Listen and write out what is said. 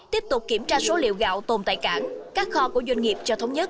tiếp tục kiểm tra số liệu gạo tồn tại cảng các kho của doanh nghiệp cho thống nhất